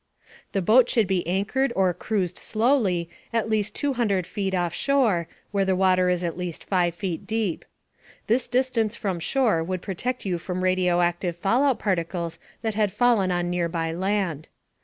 The boat should be anchored or cruised slowly at least 200 feet offshore, where the water is at least 5 feet deep. This distance from shore would protect you from radioactive fallout particles that had fallen on the nearby land.